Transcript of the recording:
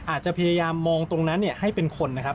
อาจจะพยายามมองตรงนั้นให้เป็นคนนะครับ